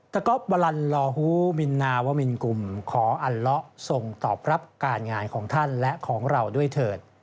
ก๊อปวลันลอฮูมินนาวมินกลุ่มขออัลเลาะส่งตอบรับการงานของท่านและของเราด้วยเถิด